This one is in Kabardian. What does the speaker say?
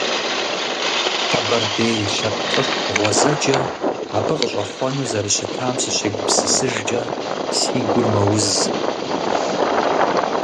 Къэбэрдей лъэпкъыш гъуэзэджэ абы къыщӀэхъуэну зэрыщытам сыщегупсысыжкӀэ, си гур мэуз.